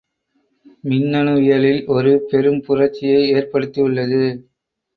மின்னணுவியலில் ஒரு பெரும் புரட்சியை ஏற்படுத்தி உள்ளது.